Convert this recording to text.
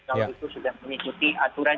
kalau itu sudah mengikuti aturan